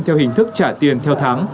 theo hình thức trả tiền theo tháng